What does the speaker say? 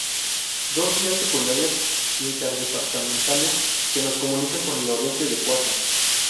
Dos vías secundarias interdepartamentales que nos comunican con el oriente del Cauca.